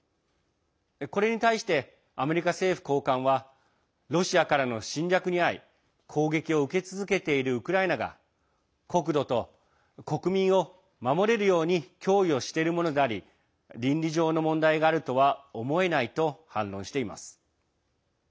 これに対してアメリカ政府高官はロシアからの侵略に遭い攻撃を受け続けているウクライナが国土と国民を守れるように供与しているものであり倫理上の問題があるとは思えないと反論しています。